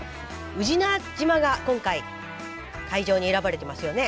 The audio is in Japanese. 宇品島が今回会場に選ばれてますよね。